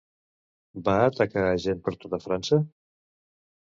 Va atacar a gent per tota França?